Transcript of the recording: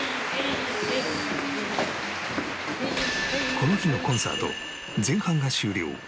この日のコンサート前半が終了